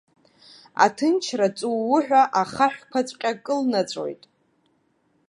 Аҭынчра ҵу-уу ҳәа ахаҳәқәаҵәҟьа кылнаҵәоит.